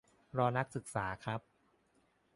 รอนักศึกษาครับ